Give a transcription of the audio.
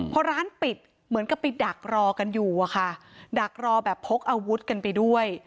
พอร้านปิดเหมือนกับไปดักรอกันอยู่อะค่ะดักรอแบบพกอาวุธกันไปด้วย